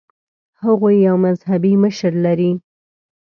هغوی یو مذهبي مشر لري.